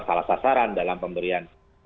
salah sasaran dalam pemberian